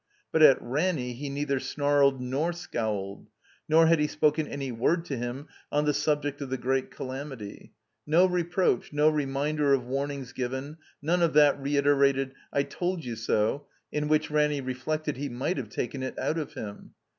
But at Ranny he neither snarled nor scowled, nor had he spoken any word to him on the subject of the great calamity. No reproach, no reminder of warnings given, none of that reiterated, I told you so," in which, Ranny reflected, he might have taken it out of him.